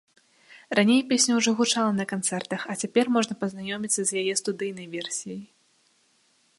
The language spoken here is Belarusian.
Раней песня ўжо гучала на канцэртах, а цяпер можна пазнаёміцца з яе студыйнай версіяй.